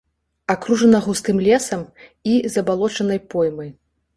Акружана густым лесам і забалочанай поймай.